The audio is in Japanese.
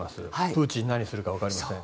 プーチン何するか分かりません。